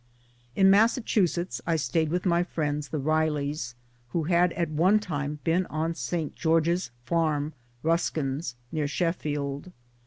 In Massachusetts I stayed with my friends the Rileys, who had at one time been on St. George's farm (Ruskin's) near Sheffield.